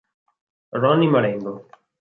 Ronny Marengo